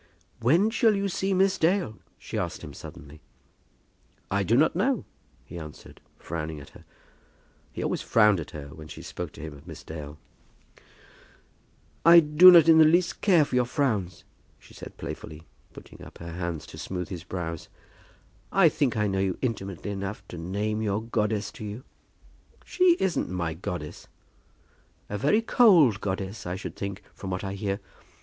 "When shall you see Miss Dale?" she asked him suddenly. "I do not know," he answered, frowning at her. He always frowned at her when she spoke to him of Miss Dale. "I do not in the least care for your frowns," she said playfully, putting up her hands to smooth his brows. "I think I know you intimately enough to name your goddess to you." "She isn't my goddess." "A very cold goddess, I should think, from what I hear.